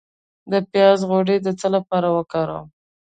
د پیاز غوړي د څه لپاره وکاروم؟